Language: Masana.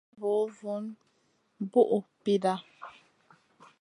Na piri vo vun bùhʼu pida.